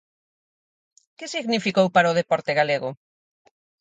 Que significou para o deporte galego?